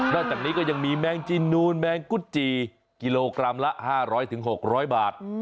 จากนี้ก็ยังมีแมงจีนูนแมงกุจจีกิโลกรัมละ๕๐๐๖๐๐บาท